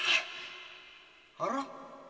あら？